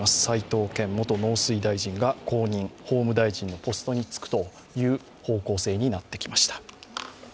齋藤健元農水大臣が後任、法務大臣のポストに就くという方向性になってきました。